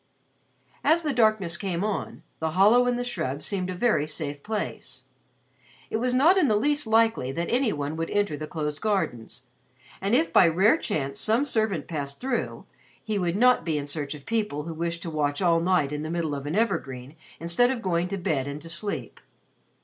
As the darkness came on, the hollow in the shrub seemed a very safe place. It was not in the least likely that any one would enter the closed gardens; and if by rare chance some servant passed through, he would not be in search of people who wished to watch all night in the middle of an evergreen instead of going to bed and to sleep.